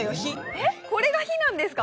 えっこれが火なんですか？